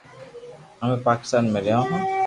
ھمي پاڪستان مي رھيو ھون